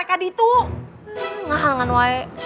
akarnya mereka itu